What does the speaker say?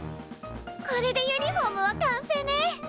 これでユニフォームは完成ね！